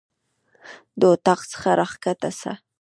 د اطاق څخه راکښته سه.